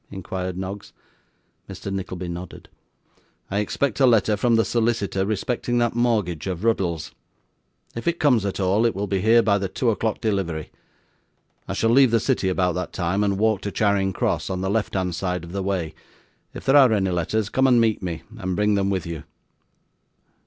inquired Noggs. Mr. Nickleby nodded. 'I expect a letter from the solicitor respecting that mortgage of Ruddle's. If it comes at all, it will be here by the two o'clock delivery. I shall leave the city about that time and walk to Charing Cross on the left hand side of the way; if there are any letters, come and meet me, and bring them with you.